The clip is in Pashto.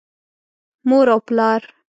مور او پلار